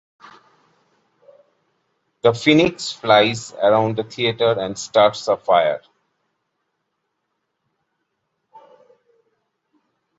The Phoenix flies around the theatre and starts a fire.